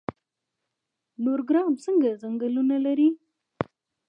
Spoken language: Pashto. نورګرام ځنګلونه لري؟